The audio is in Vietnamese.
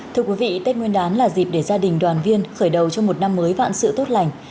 thưa quý vị tết nguyên đán là dịp để gia đình đoàn viên khởi đầu cho một năm mới vạn sự tốt lành